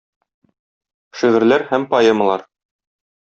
Шигырьләр һәм поэмалар.